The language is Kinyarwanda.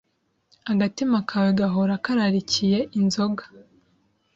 Agatima kawe gahora kararikiye inzoga